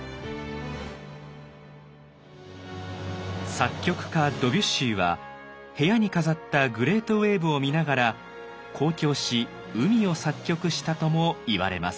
作曲家ドビュッシーは部屋に飾った「グレートウエーブ」を見ながら交響詩「海」を作曲したともいわれます。